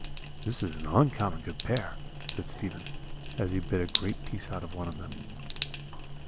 "'This is an uncommon good pear,' said Stephen, as he bit a great piece out of one of them.